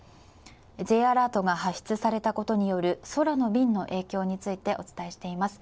Ｊアラートが発出されたことによる空の便の影響についてお伝えしています。